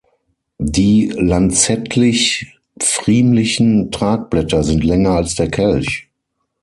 Die lanzettlich-pfriemlichen Tragblätter sind länger als der Kelch.